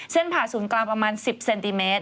ผ่าศูนย์กลางประมาณ๑๐เซนติเมตร